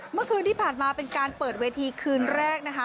เมื่อคืนที่ผ่านมาเป็นการเปิดเวทีคืนแรกนะคะ